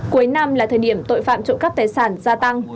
cuối năm là thời điểm tội phạm trộm cắp tài sản gia tăng